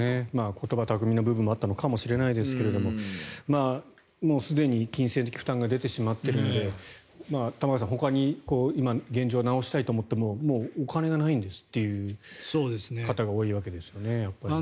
言葉巧みな部分もあったのかもしれないんですがもうすでに金銭的負担が出てしまっているので玉川さん、ほかに今、現状は治したいと思ってもお金がないんですという方が多いわけですよね。